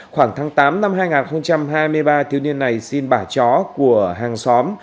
khoảng tháng tám năm hai nghìn hai mươi ba thiếu niên này xin bà chó của hàng xóm